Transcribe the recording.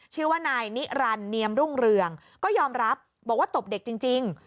ชื่อว่านายนิรันดิมรุ่งเรืองก็ยอมรับบอกว่าตบเด็กจริง